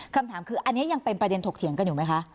คำถามคืออันนี้ยังเป็นประเด็นถกเถียงกันอยู่ไหมคะ